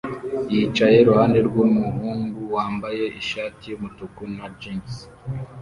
yicaye iruhande rwumuhungu wambaye ishati yumutuku na jans